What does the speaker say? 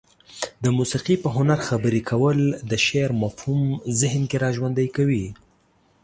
د موسيقي په هنر خبرې کول د شعر مفهوم ذهن کې را ژوندى کوي.